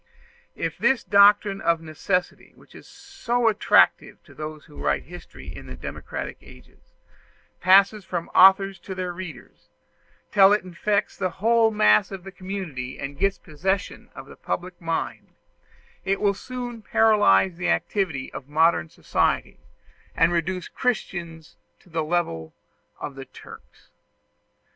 If this doctrine of necessity, which is so attractive to those who write history in democratic ages, passes from authors to their readers, till it infects the whole mass of the community and gets possession of the public mind, it will soon paralyze the activity of modern society, and reduce Christians to the level of the Turks.